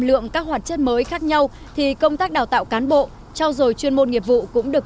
lượng các hoạt chất mới khác nhau thì công tác đào tạo cán bộ trao dồi chuyên môn nghiệp vụ cũng được